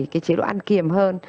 cái chế độ ăn kiềm hơn